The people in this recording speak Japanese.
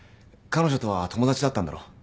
彼女とは友達だったんだろ？